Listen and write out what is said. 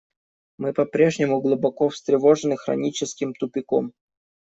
Мы по-прежнему глубоко встревожены хроническим тупиком.